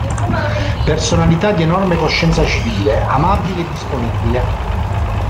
Personalità di enorme coscienza civile, amabile e disponibile.